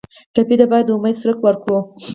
ټپي ته باید د امید څرک ورکړو.